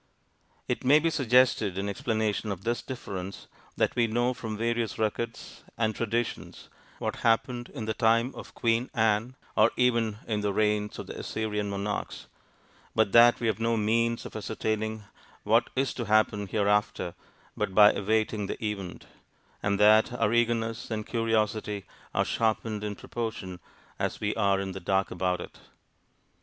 It may be suggested in explanation of this difference, that we know from various records and traditions what happened in the time of Queen Anne, or even in the reigns of the Assyrian monarchs, but that we have no means of ascertaining what is to happen hereafter but by awaiting the event, and that our eagerness and curiosity are sharpened in proportion as we are in the dark about it.